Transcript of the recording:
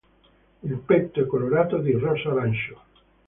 Il petto è colorato di rosso arancio.